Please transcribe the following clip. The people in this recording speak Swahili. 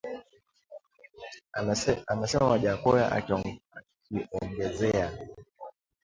Amesema Wajackoya akiongezea